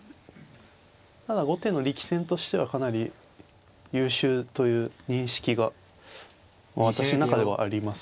ただ後手の力戦としてはかなり優秀という認識が私の中ではありますね。